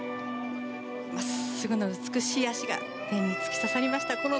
まっすぐな美しい脚が天に突き刺さりました。